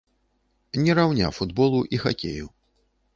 Не раўня футболу і хакею.